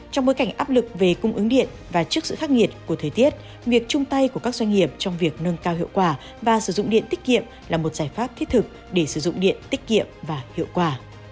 trong bối cảnh áp lực về cung ứng điện và trước sự khắc nghiệt của thời tiết việc chung tay của các doanh nghiệp trong việc nâng cao hiệu quả và sử dụng điện tiết kiệm là một giải pháp thiết thực để sử dụng điện tiết kiệm và hiệu quả